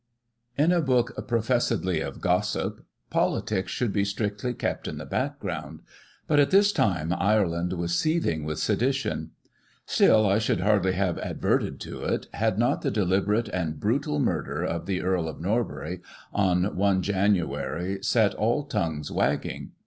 In a book, professedly of Gossip, politics should be strictly kept in the background — ^but at this time Ireland was seeth ing with sedition. Still I should hardly have adverted to it, had not the deliberate and brutal murder of the Earl of Norbury, on i Jan., set all tongues wagging.